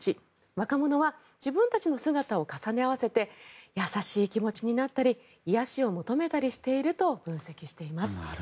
若者は自分たちの姿を重ね合わせて優しい気持ちになったり癒やしを求めたりしていると分析しています。